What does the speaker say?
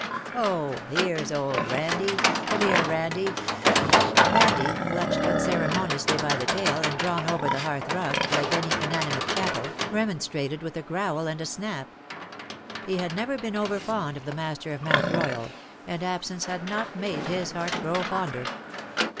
Oh! here's old Randie — come here, Bandie." Randie, clutched unceremoniously by the tail, and drawn over the hearthrug, like any inanimate chattel, remonstrated with a growl and a snap. He had never been over fond of the master of Mount Royal, and absence had not made his heart grow fonder.